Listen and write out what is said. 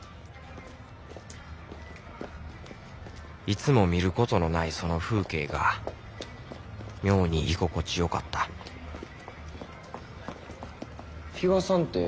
いつも見ることのないその風景が妙に居心地よかった比嘉さんて元ヤン？